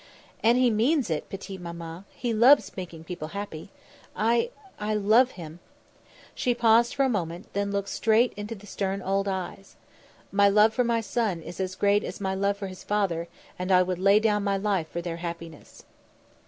"And he means it, Petite Maman; he loves making people happy. I I love him." She paused for a moment; then looked straight into the stern old eyes. "My love for my son is as great as my love for his father, and I would lay down my life for their happiness."